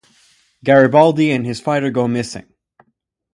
Garibaldi and his fighter go missing.